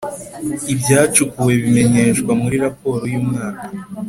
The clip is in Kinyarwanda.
ibyacukuwe bimenyeshwa muri raporo y umwaka